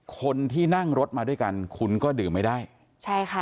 คนที่นั่งรถมาด้วยกันคุณก็ดื่มไม่ได้ใช่ค่ะ